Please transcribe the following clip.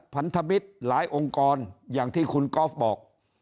พันธมิตรหลายองค์กรอย่างที่คุณก๊อฟบอก